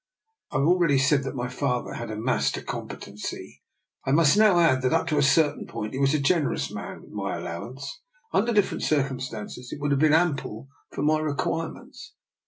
I have already said that my father had amassed a competency. I must now add that up to a certain point he was a generous man, and my allowance, under different circum stances, would have been ample for my re quirements.